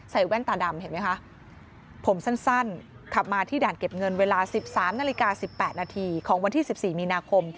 แว่นตาดำเห็นไหมคะผมสั้นขับมาที่ด่านเก็บเงินเวลา๑๓นาฬิกา๑๘นาทีของวันที่๑๔มีนาคม